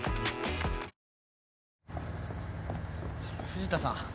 藤田さん。